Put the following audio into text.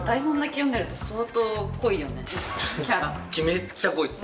めっちゃ濃いっす。